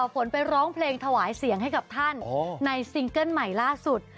ฝนไปร้องเพลงถวายเสียงให้กับท่านในซิงเกิ้ลใหม่ล่าสุด